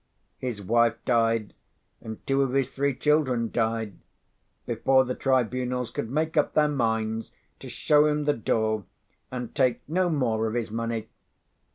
His wife died, and two of his three children died, before the tribunals could make up their minds to show him the door and take no more of his money.